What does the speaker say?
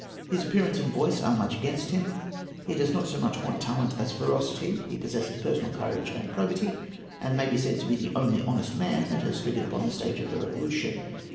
His appearance and voice are much against him. He does not so much want talent as ferocity. He possesses personal courage and probity, and may be said to be the only honest man that has figured upon the stage of the Revolution.